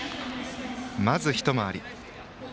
まず一回り。